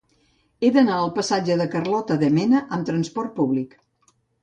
He d'anar al passatge de Carlota de Mena amb trasport públic.